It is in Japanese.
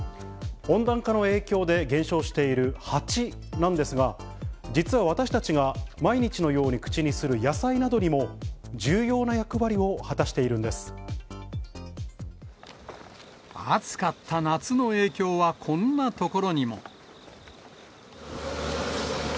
温暖化の影響で減少しているハチなんですが、実は私たちが毎日のように口にする野菜などにも重要な役割を果た暑かった夏の影響は、こんなところにも。